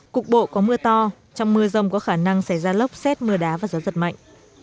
cục bộ có mưa to trong mưa rông có khả năng xảy ra lốc xét mưa đá và gió giật mạnh